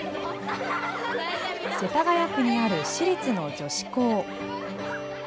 世田谷区にある私立の女子校。